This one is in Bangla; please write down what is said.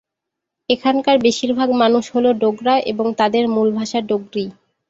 এখানকার বেশিরভাগ মানুষ হল ডোগরা এবং তাদের মূল ভাষা ডোগরি।